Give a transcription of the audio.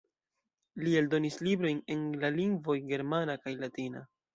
Li eldonis librojn en la lingvoj germana kaj latina.